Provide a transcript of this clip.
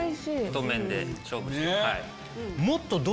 太麺で勝負して。